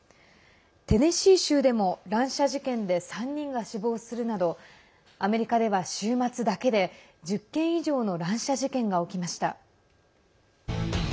テネシー州でも乱射事件で３人が死亡するなどアメリカでは週末だけで１０件以上の乱射事件が起きました。